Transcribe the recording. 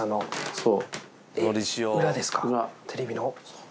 そう。